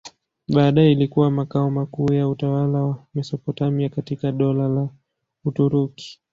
Baadaye ilikuwa makao makuu ya utawala wa Mesopotamia katika Dola la Uturuki.